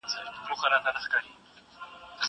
کتاب د زده کوونکي له خوا لوستل کيږي!!